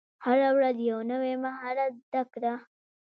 هره ورځ یو نوی مهارت زده کړه.